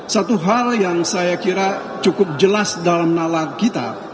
satu hal yang saya kira cukup jelas dalam nalar kita